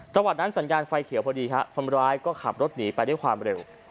จังหวัดนั้นสัญญาณไฟเขียวพอดีครับคนร้ายก็ขับรถหนีไปด้วยความเร็ว